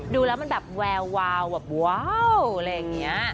ดูแล้วมันแบบแวววาวแบบว้าวอะไรอย่างนี้